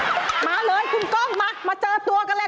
มาเลยคุณกล้องมามาเจอตัวกันเลย